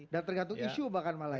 dan tergantung isu bahkan malah ya